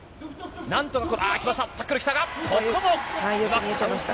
なんとか、きました。